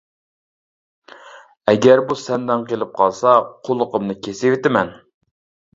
ئەگەر بۇ سەندىن قېلىپ قالسا، قۇلىقىمنى كېسىۋېتىمەن.